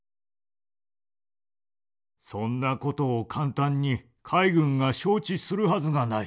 そんなことを簡単に海軍が承知するはずがない。